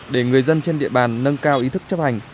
để người dân trên địa bàn nâng cao ý thức chấp hành